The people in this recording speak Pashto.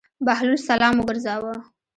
بهلول سلام وګرځاوه.